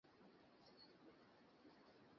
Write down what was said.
এখানে আসো, খরগোশ!